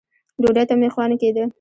ډوډۍ ته مې خوا نه کېده.